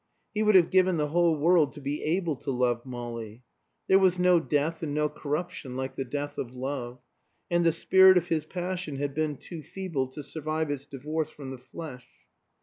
He would have given the whole world to be able to love Molly. There was no death and no corruption like the death of love; and the spirit of his passion had been too feeble to survive its divorce from the flesh.